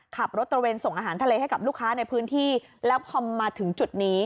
ขับรถตระเวนส่งอาหารทะเลให้กับลูกค้าในพื้นที่แล้วพอมาถึงจุดนี้